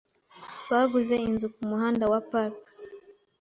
Baguze inzu kumuhanda wa Park .